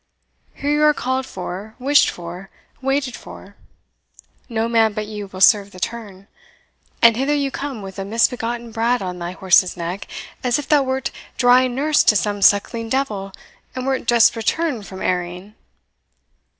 Here you are called for, wished for, waited for no man but you will serve the turn; and hither you come with a misbegotten brat on thy horse's neck, as if thou wert dry nurse to some sucking devil, and wert just returned from airing."